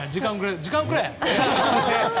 時間くれ！